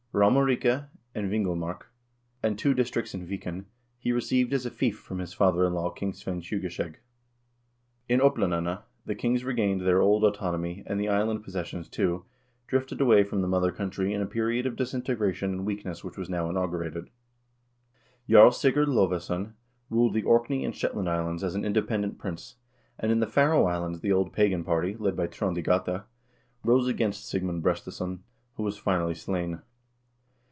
Raumarike and Vingulmark, and two dis tricts in Viken, he received as a fief from his father in law, King Svein Tjugeskjeg. In Oplandene the kings regained their old auton omy, and the island possessions, too, drifted away from the mother country in the period of disintegration and weakness which was now inaugurated. Jarl Sigurd Lodvesson ruled the Orkney and Shetland Islands as an independent prince, and in the Faroe Islands the old pagan party, led by Trond i Gata, rose against Sigmund Brestesson, who was finally slain.